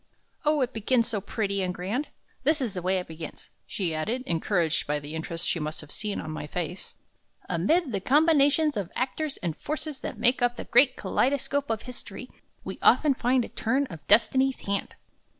O, it begins so pretty and so grand! This is the way it begins," she added, encouraged by the interest she must have seen in my face: "'Amid the combinations of actors and forces that make up the great kaleidoscope of history, we often find a turn of Destiny's hand.'"